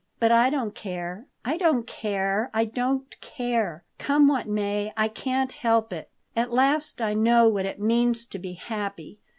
But I don't care. I don't care. I don't care. Come what may. I can't help it. At last I know what it means to be happy.